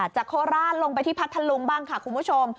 โคราชลงไปที่พัทธลุงบ้างค่ะคุณผู้ชม